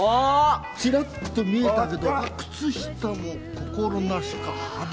チラッと見えたけど靴下も心なしか派手。